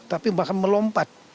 tapi bahkan melompat